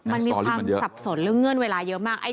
มันมีความสับสนเรื่องเงื่อนเวลาเยอะมาก